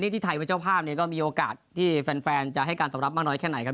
ที่ไทยเป็นเจ้าภาพเนี่ยก็มีโอกาสที่แฟนจะให้การตอบรับมากน้อยแค่ไหนครับ